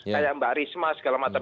kayak mbak risma segala macam